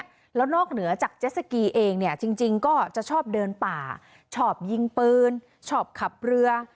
แล้วนอกเหนือจากเจสสกีเองเนี่ยจริงก็จะชอบเดินป่าชอบยิงปืนชอบขับเรือ